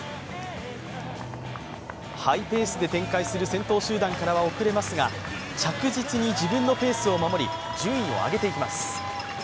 ハイペースで展開する先頭集団からは遅れますが、着実に自分のペースを守り順位を上げていきます。